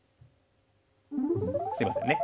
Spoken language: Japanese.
すいませんね。